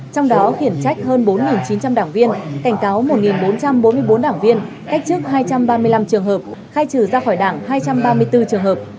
trong đó khiển trách hơn bốn chín trăm linh đảng viên cảnh cáo một bốn trăm bốn mươi bốn đảng viên cách chức hai trăm ba mươi năm trường hợp khai trừ ra khỏi đảng hai trăm ba mươi bốn trường hợp